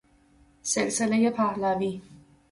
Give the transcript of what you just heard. سلسلهُ پهلوی